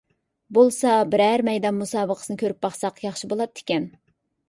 بولسا بىرەر مەيدان مۇسابىقىسىنى كۆرۈپ باقساق ياخشى بولاتتىكەن!